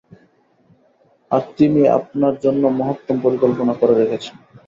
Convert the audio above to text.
আর তিমি আপনার জন্য মহত্তম পরিকল্পনা করে রেখেছেন।